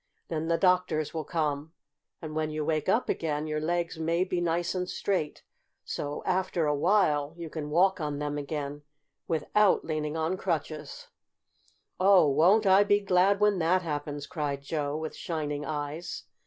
Then the doctors will come and, when you wake up again, your legs may be nice and straight so, after a while, you can walk on them again without leaning on crutches." "Oh, won't I be glad when that happens!" cried Joe, with shining eyes.